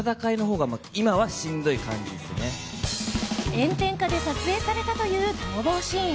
炎天下で撮影されたという逃亡シーン。